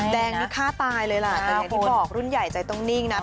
แดงนี่ฆ่าตายเลยล่ะแต่อย่างที่บอกรุ่นใหญ่ใจต้องนิ่งนะ